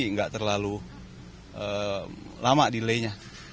nggak terlalu lama delay nya